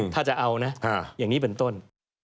ถ้าจะเอานะอย่างนี้เป็นต้น